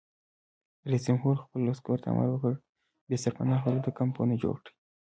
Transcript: رئیس جمهور خپلو عسکرو ته امر وکړ؛ بې سرپناه خلکو ته کمپونه جوړ کړئ!